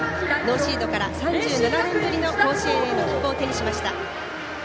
ノーシードから、３７年ぶりの甲子園への切符を手にしました。